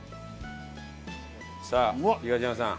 さあ東山さん